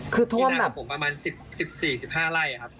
พี่นากับผมประมาณ๑๔๑๕ไล่ครับ